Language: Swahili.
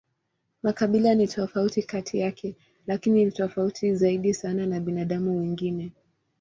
Makabila ni tofauti kati yake, lakini ni tofauti zaidi sana na binadamu wengine.